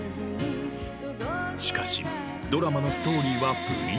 しかしドラマのストーリーは不倫愛。